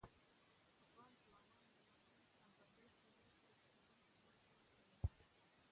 افغان ځوانان د وطن په ابادۍ کې نه ستړي کېدونکي هلې ځلې کوي.